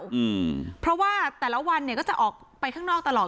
อืมเพราะว่าแต่ละวันเนี่ยก็จะออกไปข้างนอกตลอด